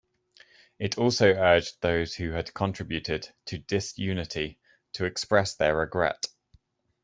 It also urged those who had contributed to disunity to express their regret.